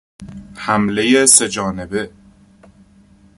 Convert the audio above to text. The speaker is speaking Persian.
حملهی سه جانبه